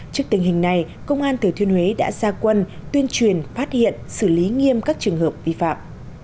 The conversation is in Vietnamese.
trước tình hình này công an thừa thuyên huế đã ra quân tuyên truyền phát hiện xử lý nghiêm các trường hợp vi phạm